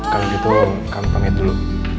kalau gitu kamu pamit dulu